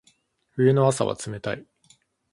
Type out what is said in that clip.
冬の朝は冷たい。